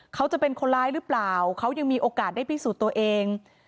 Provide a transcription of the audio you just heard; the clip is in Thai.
เขาจะเป็นคนร้ายหรือเปล่าเขายังมีโอกาสได้พิสูจน์ตัวเอง